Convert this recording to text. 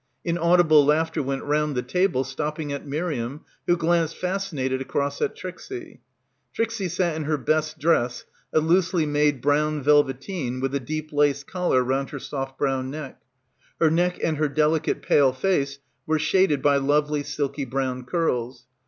Inaudible laughter went round the table, stopping at Miriam, who glanced fascinated across at Trixie. Trixie sat in her best dress, a loosely made brown velveteen with a deep lace collar round her soft brown neck. Her neck and her delicate pale face were shaded by lively silky brown curls.